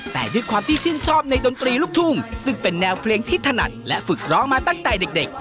แต่ด้วยความที่ชื่นชอบในดนตรีลูกทุ่งซึ่งเป็นแนวเพลงที่ถนัดและฝึกร้องมาตั้งแต่เด็ก